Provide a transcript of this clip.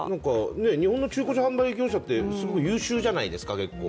日本の中古車販売業者って優秀じゃないですか、結構。